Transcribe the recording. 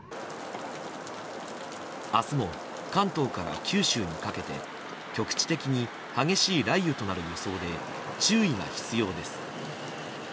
明日も関東から九州にかけて局地的に激しい雷雨となる予想で注意が必要です。